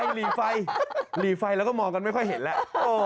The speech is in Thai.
หลีไฟหลีไฟแล้วก็มองกันไม่ค่อยเห็นแล้ว